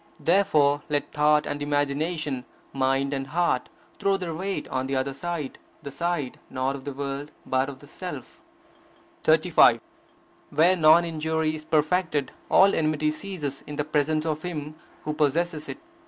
Therefore let thought and imagination, mind and heart, throw their weight on the other side; the side, not of the world, but of the Self. 35. Where non injury is perfected, all enmity ceases in the presence of him who possesses it.